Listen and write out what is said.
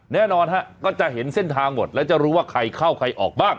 แน่นอนฮะก็จะเห็นเส้นทางหมดแล้วจะรู้ว่าใครเข้าใครออกบ้าง